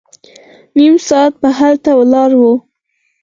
نيم ساعت به هلته ولاړ وو.